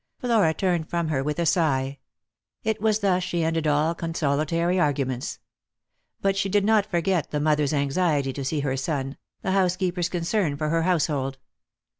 Flora turned from her with a sigh. It was thus she ended all consolatory arguments. But she did not forget the mother's anxiety to see her son, the housekeeper's concern for her house hold.